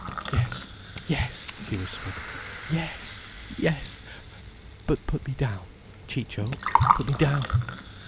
"Yes—yes!" she whispered. "Yes—yes! But put me down, Ciccio. Put me down."